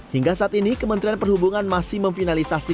hingga saat ini kementerian perhubungan masih memfinalisasi